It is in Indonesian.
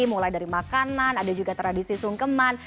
mulai dari makanan ada juga tradisi sungkeman